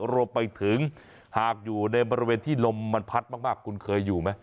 รวมไปถึงหากอยู่ในบริเวณที่ลมมันพัดมากคุณเคยอยู่ไหม